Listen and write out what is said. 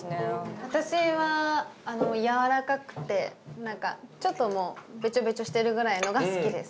私はやわらかくてなんかちょっともうベチョベチョしてるぐらいのが好きです。